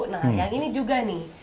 nah yang ini juga nih